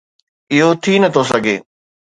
اهو ٿي نٿو سگهي.